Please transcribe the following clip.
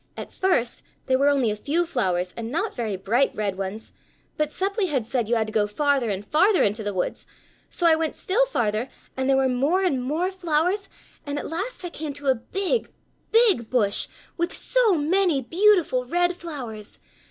At first there were only a few flowers and not very bright red ones, but Seppli had said you had to go farther and farther into the woods. So I went still farther, and there were more and more flowers, and at last I came to a big, big bush with so many beautiful red flowers.